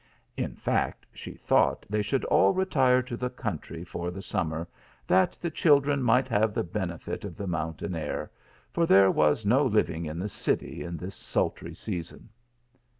In fact she thought they should all retire to the country for the summer, that the children might have the benefit of the mountain air, for there was no living in the city in this sultry season.